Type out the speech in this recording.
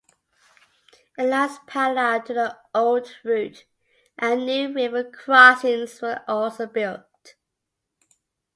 It lies parallel to the old route, and new river crossings were also built.